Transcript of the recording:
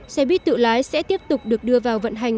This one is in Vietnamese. xe buýt tự lái sẽ tiếp tục được đưa vào vận hành